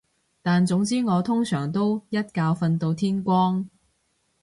但總之我通常都一覺瞓到天光